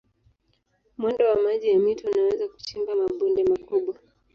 Mwendo wa maji ya mito unaweza kuchimba mabonde makubwa.